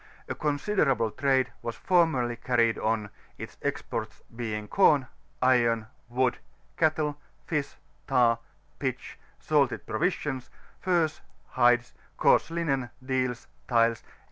A considerable trade was formerl v carried on, its exports being com, iron^ wood, cattle, fish, tar, pitch, salted provisions, furs, hides, coarse Imen, deals, tiles, &c.